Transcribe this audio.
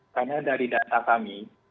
karena dari data kami